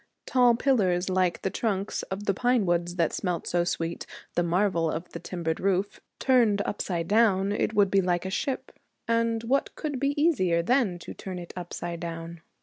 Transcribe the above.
Tall pillars like the trunks of the pine woods that smelt so sweet, the marvel of the timbered roof turned upside down it would be like a ship. And what could be easier than to turn it upside down?